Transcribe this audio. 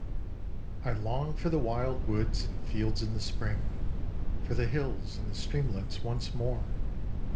I long for the wild woods and fields in the spring, For the hills and the streamlets once more.